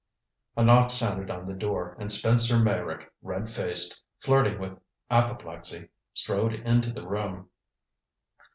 A knock sounded on the door and Spencer Meyrick, red faced, flirting with apoplexy, strode into the room.